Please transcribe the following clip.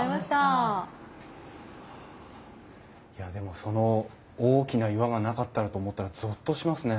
いやでもその大きな岩がなかったらと思ったらゾッとしますね。